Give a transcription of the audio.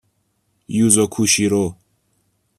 یوزو کوشیرو